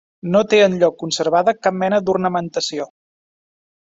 No té enlloc conservada cap mena d'ornamentació.